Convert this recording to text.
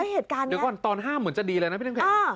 เดี๋ยวก่อนตอนห้ามเหมือนจะดีเลยนะพี่น้ำแข็ง